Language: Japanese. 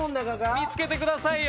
見つけてくださいよ！